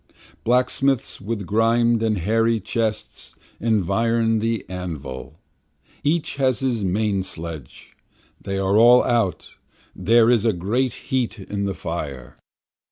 Blacksmiths with grimed and hairy chests environ the anvil, Each has his main sledge, they are all out, there is a great heat in the fire.